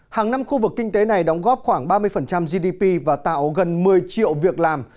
hàng năm khu vực kinh tế này đóng góp khoảng ba mươi gdp và tạo gần một mươi triệu việc làm